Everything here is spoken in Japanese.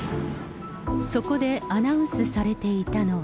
そこでアナウンスされていたのは。